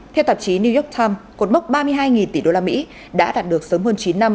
theo tạp chí new york times cuộc mức ba mươi hai tỷ đô la mỹ đã đạt được sớm hơn chín năm